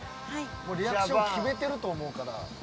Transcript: リアクション決めてると思うから。